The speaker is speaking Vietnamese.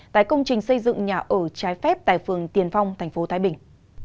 tại công trình xây dựng nhà ở trái phép tại phường tiền phong tp thái bình